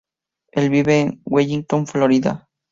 Él vive en Wellington, Florida.